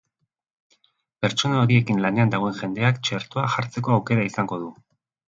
Pertsona horiekin lanean dagoen jendeak txertoa jartzeko aukera izango du.